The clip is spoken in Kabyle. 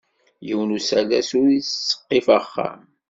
Yiwen usalas ur ittseqqif axxam.